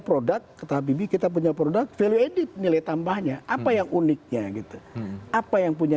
produk kata habibie kita punya produk value added nilai tambahnya apa yang uniknya gitu apa yang punya